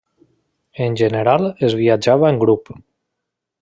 En general es viatjava en grup.